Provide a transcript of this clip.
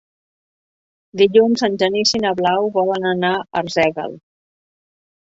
Dilluns en Genís i na Blau volen anar a Arsèguel.